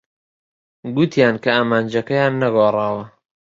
گوتیان کە ئامانجەکانیان نەگۆڕاوە.